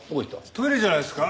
トイレじゃないですか？